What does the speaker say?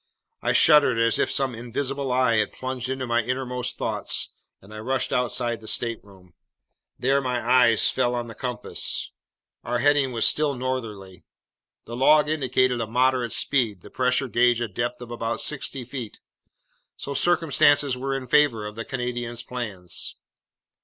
I shuddered as if some invisible eye had plunged into my innermost thoughts, and I rushed outside the stateroom. There my eyes fell on the compass. Our heading was still northerly. The log indicated a moderate speed, the pressure gauge a depth of about sixty feet. So circumstances were in favor of the Canadian's plans.